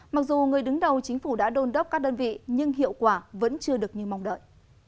mặc dù người đứng đầu chính phủ đã đôn đốc các đơn vị nhưng hiệu quả vẫn chưa được như mong đợi